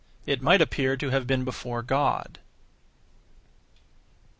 It might appear to have been before God.